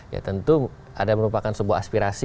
ya tentu ada merupakan sebuah aspirasi